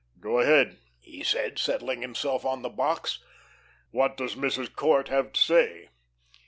"Go ahead," he said, settling himself on the box. "What does Mrs. Court have to say?"